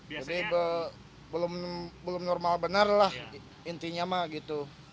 jadi belum normal benar lah intinya mah gitu